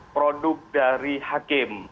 produk dari hakim